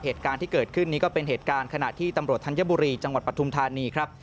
เหตุการณ์ที่เกิดขึ้นนี้ก็เป็นเหตุการณ์ขณะที่ตำรวจธัญบุรีจังหวัดปฐุมธานีครับ